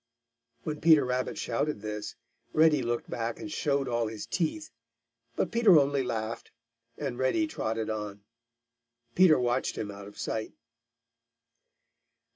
When Peter Rabbit shouted this, Reddy looked back and showed all his teeth, but Peter only laughed, and Reddy trotted on. Peter watched him out of sight.